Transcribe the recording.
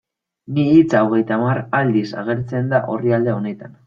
Ni hitza hogeita hamar aldiz agertzen da orrialde honetan.